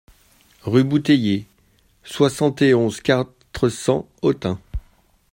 Rue Bouteiller, soixante et onze, quatre cents Autun